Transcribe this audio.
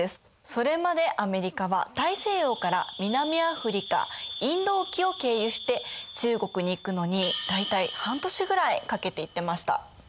それまでアメリカは大西洋から南アフリカインド沖を経由して中国に行くのに大体半年ぐらいかけて行ってました。